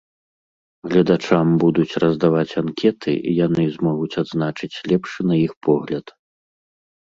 Гледачам будуць раздаваць анкеты, і яны змогуць адзначыць лепшы на іх погляд.